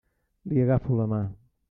Li agafo la mà.